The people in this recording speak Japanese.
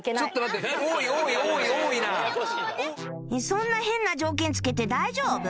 そんな変な条件つけて大丈夫？